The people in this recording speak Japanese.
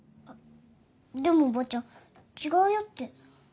でもおばちゃん「違うよ」って。